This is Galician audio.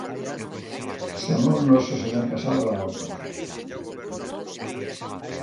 Chamounos o señor Casado á orde.